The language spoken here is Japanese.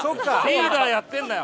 リーダーやってるんだよ。